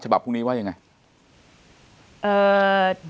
พรุ่งนี้ว่ายังไง